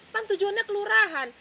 kan tujuannya kelurahan